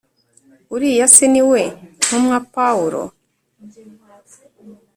uriya se niwe ntumwa pawulo